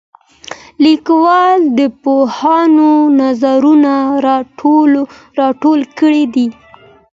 لیکوال د پوهانو نظرونه راټول کړي دي.